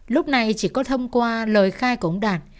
lúc này chỉ có thông qua lời khai của ông đạt